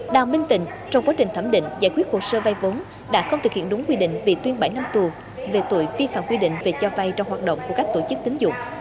đào minh tình trong quá trình thẩm định giải quyết hồ sơ vay vốn đã không thực hiện đúng quy định bị tuyên bảy năm tù về tội vi phạm quy định về cho vay trong hoạt động của các tổ chức tính dụng